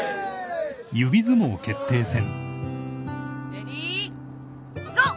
レディーゴー。